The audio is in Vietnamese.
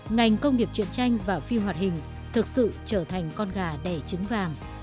ngành công nghiệp truyện tranh và phim hoạt hình thực sự trở thành con gà đẻ trứng vàng